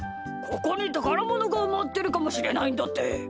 ここにたからものがうまってるかもしれないんだって。